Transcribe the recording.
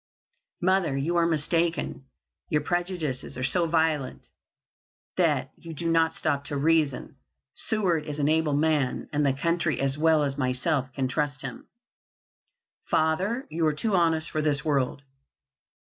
"Mother, you are mistaken; your prejudices are so violent that you do not stop to reason. Seward is an able man, and the country as well as myself can trust him." "Father, you are too honest for this world!